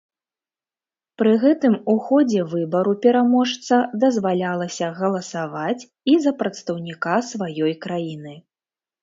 Пры гэтым у ходзе выбару пераможца дазвалялася галасаваць і за прадстаўніка сваёй краіны.